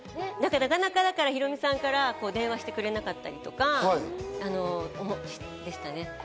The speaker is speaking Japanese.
なかなかヒロミさんから電話してくれなかったりとか、でしたね。